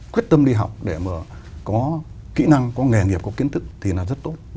quyết tâm đi học để mà có kỹ năng có nghề nghiệp có kiến thức thì là rất tốt